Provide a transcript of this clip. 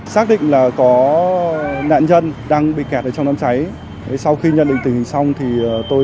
xác định là có nạn nhân đang bị kẹt ở trong đám cháy sau khi nhận định tình hình xong thì tôi